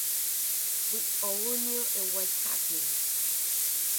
We all knew it was happening.